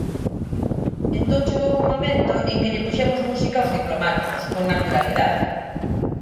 Entón chegou un momento en que lle puxemos música Os Diplomáticos, con naturalidade.